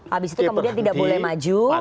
habis itu kemudian tidak boleh maju